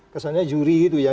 kesannya juri gitu ya